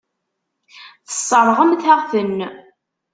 Tesseṛɣemt-aɣ-ten.